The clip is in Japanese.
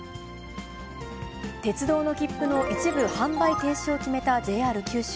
鉄道の切符の一部販売停止を決めたＪＲ九州。